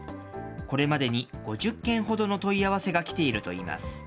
これまでに５０件ほどの問い合わせが来ているといいます。